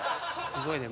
すごいね。